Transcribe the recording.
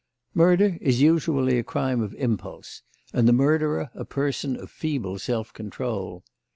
Murder is usually a crime of impulse, and the murderer a person of feeble self control.